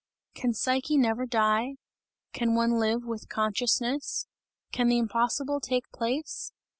"Can the Psyche never die? Can one live with consciousness? Can the impossible take place?